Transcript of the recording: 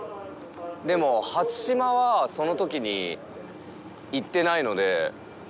でも、初島はそのときに行ってないので。